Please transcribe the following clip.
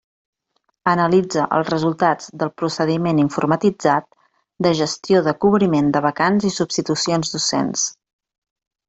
Analitza els resultats del procediment informatitzat de gestió de cobriment de vacants i substitucions docents.